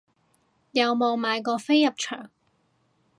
有冇買過飛入場